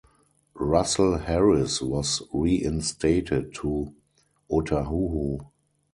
Russell Harris was reinstated to Otahuhu.